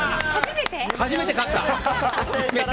初めて勝った！